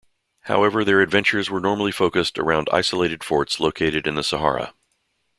However their adventures were normally focussed around isolated forts located in the Sahara.